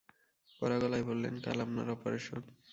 কড়া গলায় বললেন, কাল আপনার অপারেশন।